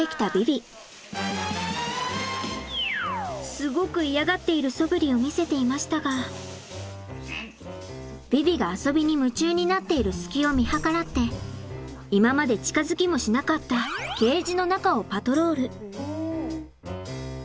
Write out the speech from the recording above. すごく嫌がっているそぶりを見せていましたがヴィヴィが遊びに夢中になっている隙を見計らって今まで近づきもしなかったおお！